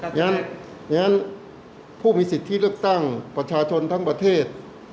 อย่างนั้นผู้มีสิทธิเลือกตั้งประชาชนทั้งประเทศ